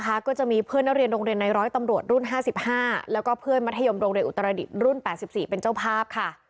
สุดท้ายนะคะก็จะมีเพื่อนนโรงเรียนในร้อยตำรวจรุ่น๕๕แล้วก็เพื่อนมัธยมโรงเรียนอุตรศักดิ์รุ่น๘๔เป็นเจ้าภาพค่ะ